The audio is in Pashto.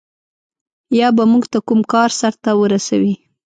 یا به موږ ته کوم کار سرته ورسوي.